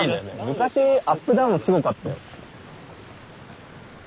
昔アップダウンすごかったよ。